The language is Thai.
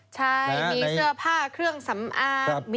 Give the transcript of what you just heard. ใช่มีเสื้อผ้าเครื่องสำอาบมินิคอนไปเดิน